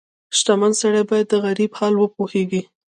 • شتمن سړی باید د غریب حال وپوهيږي.